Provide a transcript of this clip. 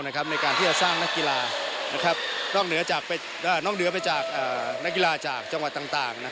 ในการที่จะสร้างนักกีฬานอกเหนือจากนอกเหนือไปจากนักกีฬาจากจังหวัดต่าง